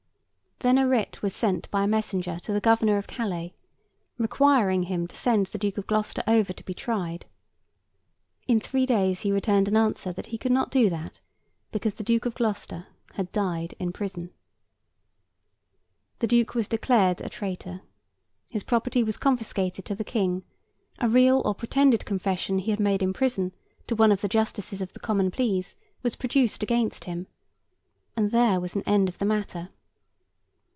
Then, a writ was sent by a messenger to the Governor of Calais, requiring him to send the Duke of Gloucester over to be tried. In three days he returned an answer that he could not do that, because the Duke of Gloucester had died in prison. The Duke was declared a traitor, his property was confiscated to the King, a real or pretended confession he had made in prison to one of the Justices of the Common Pleas was produced against him, and there was an end of the matter.